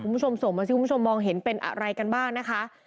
คุณผู้ชมส่งมาสิคุณผู้ชมมองเห็นเป็นอะไรกันบ้างนะคะ